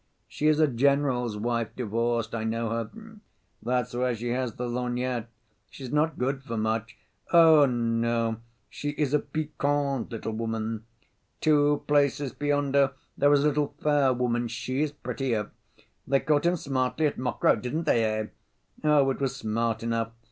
"She is a general's wife, divorced, I know her." "That's why she has the lorgnette." "She is not good for much." "Oh, no, she is a piquante little woman." "Two places beyond her there is a little fair woman, she is prettier." "They caught him smartly at Mokroe, didn't they, eh?" "Oh, it was smart enough.